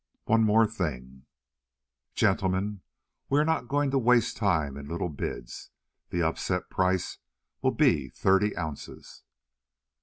One more thing, gentlemen: we are not going to waste time in little bids; the upset price will be thirty ounces."